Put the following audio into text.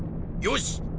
よし！